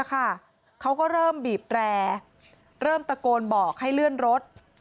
เขาก็เริ่มบีบแตร่เริ่มตะโกนบอกให้เลื่อนรถ